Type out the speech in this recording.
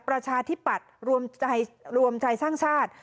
ประชาธิปัตย์รวมไทยสร้างชาติ